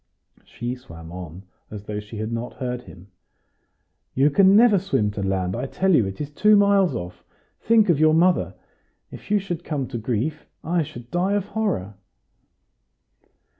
She swam on as though she had not heard him. "You can never swim to land. I tell you, it is two miles off. Think of your mother! If you should come to grief, I should die of horror."